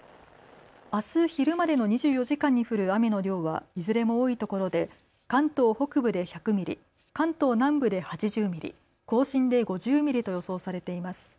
あす昼までの２４時間に降る雨の量はいずれも多いところで関東北部で１００ミリ、関東南部で８０ミリ、甲信で５０ミリと予想されています。